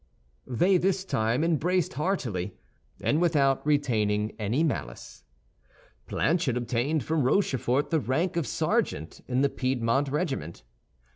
They this time embraced heartily, and without retaining any malice. Planchet obtained from Rochefort the rank of sergeant in the Piedmont regiment.